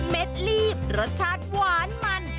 เด็ดลีบรสชาติหวานมัน